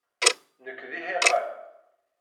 Nekk d iḥiqel.